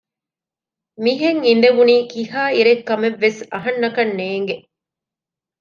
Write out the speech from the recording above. މިހެން އިދެވުނީ ކިހާ އިރެއް ކަމެއްވެސް އަހަންނަކަށް ނޭގެ